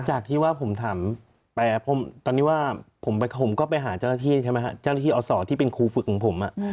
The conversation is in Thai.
จากที่ว่าผมถามไปตอนนี้ว่าผมก็ไปหาเจ้าหน้าที่ใช่ไหมฮะเจ้าหน้าที่อศที่เป็นครูฝึกของผม